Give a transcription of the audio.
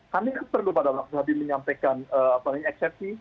kami kan perlu pada waktu tadi menyampaikan paling eksepsi